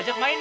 ajak main ya